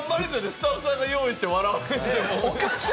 スタッフさんが用意しても、笑わへん。